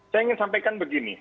saya ingin sampaikan begini